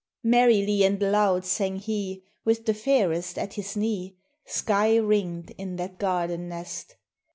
'Merrily and loud sang he, With the fairest at his knee, Sky ringed in that garden nest!